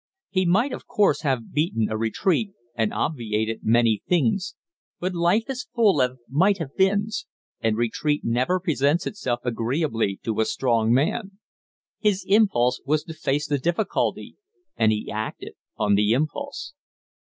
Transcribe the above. He might, of course, have beaten a retreat and obviated many things; but life is full of might have beens, and retreat never presents itself agreeably to a strong man. His impulse was to face the difficulty, and he acted on the impulse.